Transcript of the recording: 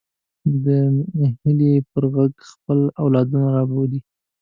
هیلۍ پر غږ خپل اولادونه رابولي